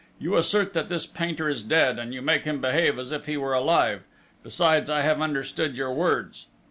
You assert that this painter is dead, and you make him behave as if he were alive!... Besides, I have understood your words!